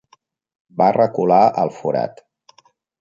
Va recular al forat.